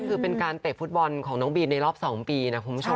คือเป็นการเตะฟุตบอลของน้องบีนในรอบ๒ปีนะคุณผู้ชม